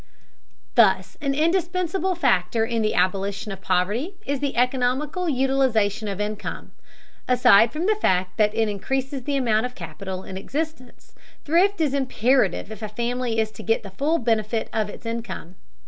Thus an indispensable factor in the abolition of poverty is the economical utilization of income. Aside from the fact that it increases the amount of capital in existence, thrift is imperative if a family is to get the full benefit of its income.